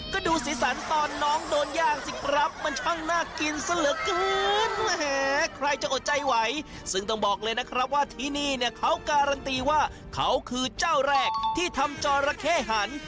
ก็ดูสีสันตอนน้องโดนย่างสิครับมันช่างน่ากินซะเหลือเกินใครจะอดใจไหวซึ่งต้องบอกเลยนะครับว่าที่นี่เนี่ยเขาการันตีว่าเขาคือเจ้าแรกที่ทำจอระเข้หัน